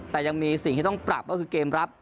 แต่ยังมีสิ่งที่ต้องปรับก็คือเกมรับ